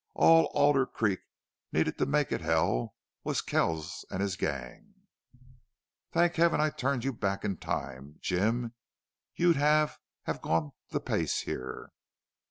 "All Alder Creek needed to make it hell was Kells and his gang." "Thank Heaven I turned you back in time!... Jim, you'd have have gone the pace here."